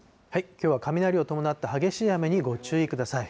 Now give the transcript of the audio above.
きょうは雷を伴った激しい雨にご注意ください。